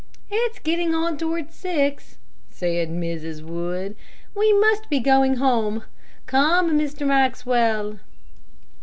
"Its getting on toward six," said Mrs. Wood; "we must be going home. Come, Mr. Maxwell."